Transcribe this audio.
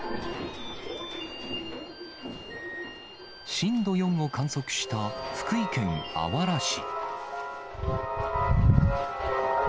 震度４を観測した福井県あわら市。